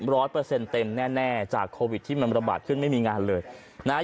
ร้อยเปอร์เซ็นต์เต็มแน่แน่จากโควิดที่มันระบาดขึ้นไม่มีงานเลยนะฮะ